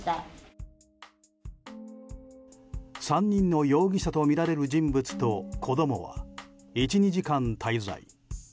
３人の容疑者とみられる人物と子供は１２時間滞在。